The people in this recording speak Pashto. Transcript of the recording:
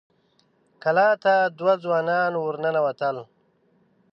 کلا ته دوه ځوانان ور ننوتل.